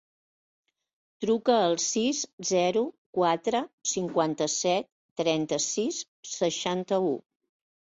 Truca al sis, zero, quatre, cinquanta-set, trenta-sis, seixanta-u.